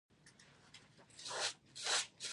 ایا زه باید خپله خونه بیله کړم؟